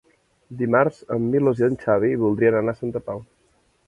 Dimarts en Milos i en Xavi voldrien anar a Santa Pau.